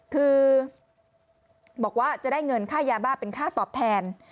คือบอกว่าจะได้เงินค่ายาบ้าเป็นค่าตอบแทน